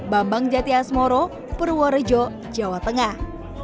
bambang jati asmoro purworejo jawa tengah